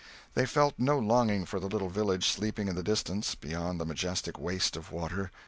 They felt no longing for the little village sleeping in the distance beyond the majestic waste of water.